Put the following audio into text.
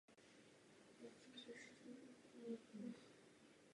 Součástí letohrádku byla i barokní francouzská zahrada.